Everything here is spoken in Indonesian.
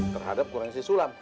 terhadap keluarga si sulam